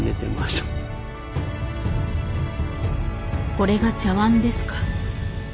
「これが茶碗ですか」。